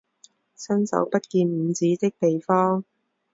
伸手不见五指的地方